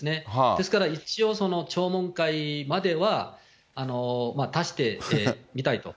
ですから一応、聴聞会までは足してみたいと。